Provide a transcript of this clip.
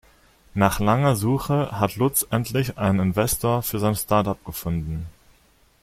Nach langer Suche hat Lutz endlich einen Investor für sein Startup gefunden.